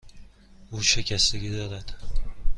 او شکستگی دارد.